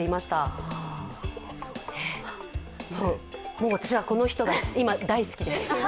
もう私はこの人が今、大好きです